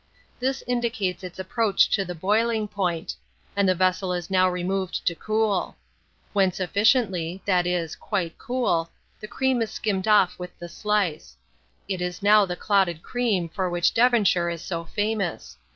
This indicates its approach to the boiling point: and the vessel is now removed to cool. When sufficiently, that is, quite cool, the cream is skimmed off with the slice: it is now the clouted cream for which Devonshire is so famous.